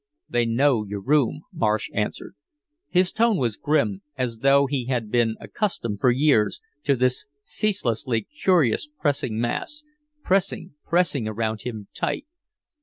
"They know your room," Marsh answered. His tone was grim, as though he had been accustomed for years to this ceaselessly curious pressing mass, pressing, pressing around him tight.